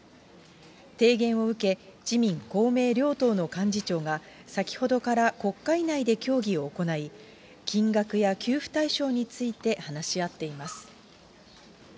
提言を受け、自民、公明両党の幹事長が先ほどから国会内で協議を行い、金額や給付対象について話し合っています。